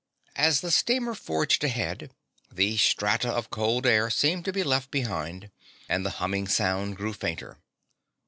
As the steamer forged ahead the strata of cold air seemed to be left behind, and the humming sound grew fainter.